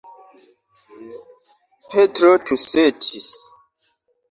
Petro tusetis.